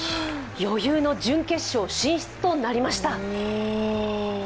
余裕の準決勝進出となりました。